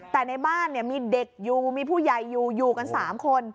แต่ในบ้านมีเด็กอยู่มีผู้ใหญ่อยู่อยู่กัน๓คน